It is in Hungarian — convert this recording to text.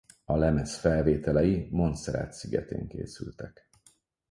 A lemez felvételei Montserrat szigetén készültek.